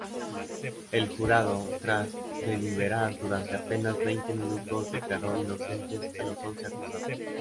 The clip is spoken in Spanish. El jurado, tras deliberar durante apenas veinte minutos, declaró inocentes a los once acusados.